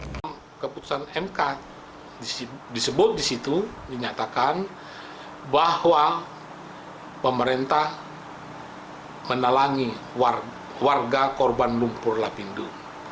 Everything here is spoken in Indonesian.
dalam keputusan mk disebut disitu dinyatakan bahwa pemerintah menelangi warga korban lumpur lapindo